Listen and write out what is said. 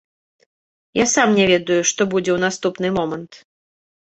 Я сам не ведаю, што будзе ў наступны момант.